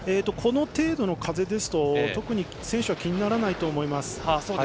この程度の風ですと選手は気にならないと思います。